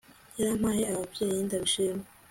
yarampaye abavyeyi, ndabishima